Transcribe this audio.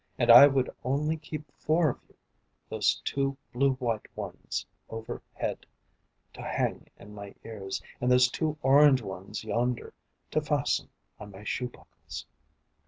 And I would only keep four of you, Those two blue white ones overhead, To hang in my ears; And those two orange ones yonder, To fasten on my shoe buckles."